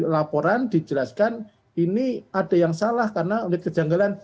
laporan dijelaskan ini ada yang salah karena unit kejanggalan